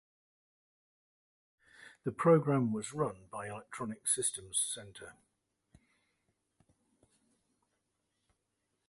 The program was run by Electronic Systems Center.